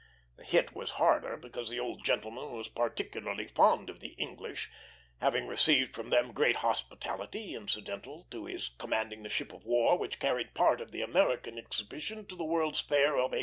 The hit was harder, because the old gentleman was particularly fond of the English, having received from them great hospitality incidental to his commanding the ship of war which carried part of the American exhibition to the World's Fair of 1851.